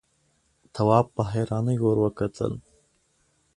تواب په حيرانۍ وکتل.